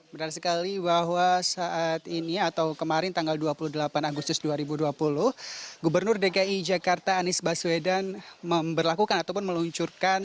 benar sekali bahwa saat ini atau kemarin tanggal dua puluh delapan agustus dua ribu dua puluh gubernur dki jakarta anies baswedan memperlakukan ataupun meluncurkan